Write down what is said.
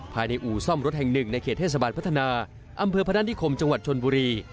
อู่ซ่อมรถแห่งหนึ่งในเขตเทศบาลพัฒนาอำเภอพนักนิคมจังหวัดชนบุรี